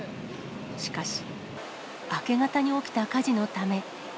しかし、明け方に起きた火事のため。